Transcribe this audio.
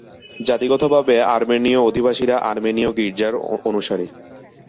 জাতিগতভাবে আর্মেনীয় অধিবাসীরা আর্মেনীয় গির্জার অনুসারী।